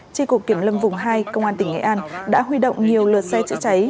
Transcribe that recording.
tri cục kiểm lâm vùng hai công an tỉnh nghệ an đã huy động nhiều lượt xe chữa cháy